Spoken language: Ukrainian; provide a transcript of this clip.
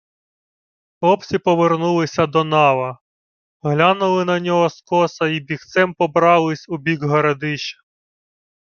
Хлопці повернулися до нава, глянули на нього скоса й бігцем побрались у бік Городища.